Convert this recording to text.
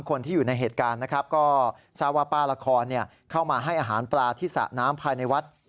คนที่อยู่ในเหตุการณ์นะครับก็ทราบว่าป้าละครเข้ามาให้อาหารปลาที่สระน้ำภายในวัด